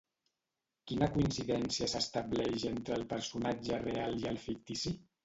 Quina coincidència s'estableix entre el personatge real i el fictici?